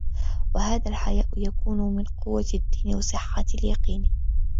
وَهَذَا الْحَيَاءُ يَكُونُ مِنْ قُوَّةِ الدَّيْنِ وَصِحَّةِ الْيَقِينِ